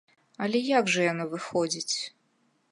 Але як жа яно выходзіць?